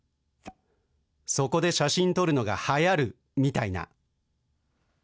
そこで写真撮るのがはやるみたいな。